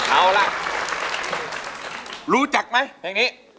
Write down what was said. เอาล่ะรู้จักไหมเพลงนี้